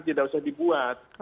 tidak usah dibuat